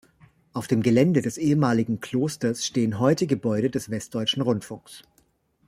Auf dem Gelände des ehemaligen Klosters stehen heute Gebäude des Westdeutschen Rundfunks.